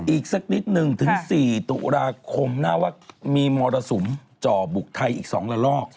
อีกสักนิดนึงถึง๔ตุลาคมน่าว่ามีมรสุมจ่อบุกไทยอีก๒ละลอก